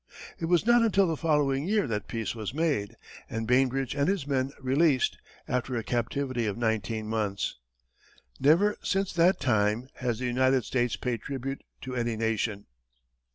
It was not until the following year that peace was made, and Bainbridge and his men released, after a captivity of nineteen months. Never since that time has the United States paid tribute to any nation.